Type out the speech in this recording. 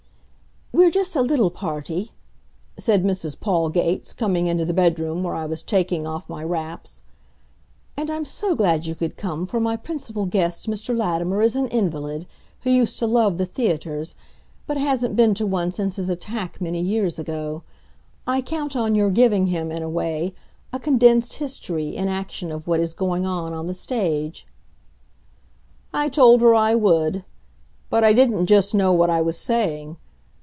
"We're just a little party," said Mrs. Paul Gates, coming into the bedroom where I was taking of my wraps. "And I'm so glad you could come, for my principal guest, Mr. Latimer, is an invalid, who used to love the theaters, but hasn't been to one since his attack many years ago. I count on your giving him, in a way, a condensed history in action of what is going on on the stage." I told her I would. But I didn't just know what I was saying.